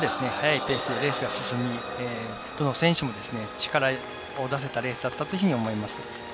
非常にいいペースで進みどの選手も力を出せたレースだったと思います。